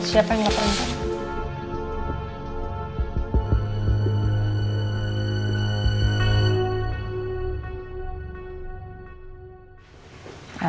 siapa yang dapat panggilan